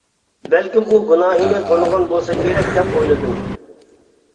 بەلكىم ئۇ گۇناھىنى تونۇغان بولسا كېرەك دەپ ئويلىدىم.